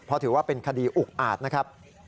เพราะถือว่าเป็นคดีอุกอาจนะครับ